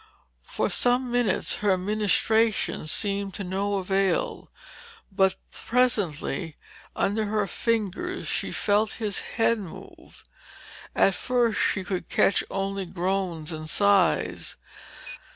For some minutes her ministrations seemed of no avail. But presently, under her fingers she felt his head move. At first she could only catch groans and sighs.